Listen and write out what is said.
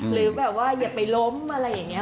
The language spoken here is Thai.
หรือแบบว่าอย่าไปล้มอะไรอย่างนี้